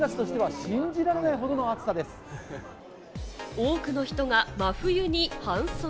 多くの人が真冬に半袖。